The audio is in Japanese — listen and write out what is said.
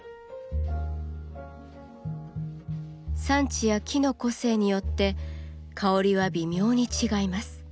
産地や木の個性によって香りは微妙に違います。